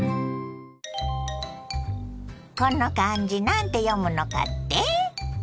この漢字何て読むのかって？